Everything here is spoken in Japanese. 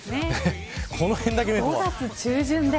この辺だけ見ると。